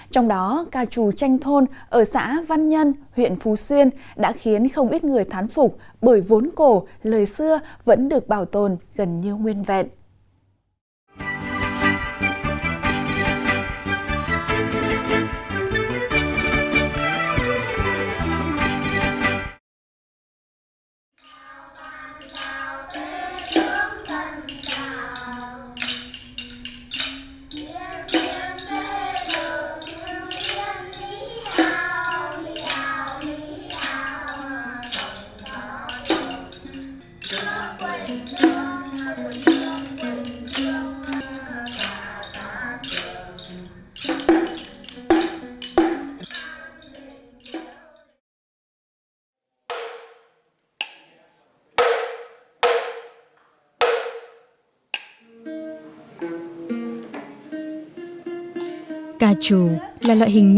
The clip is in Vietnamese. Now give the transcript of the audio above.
trong đó ca trù tranh thôn ở xã văn nhân huyện phú xuyên đã khiến không ít người thán phục bởi vốn cổ lời xưa vẫn được bảo tồn gần như nguyên vẹn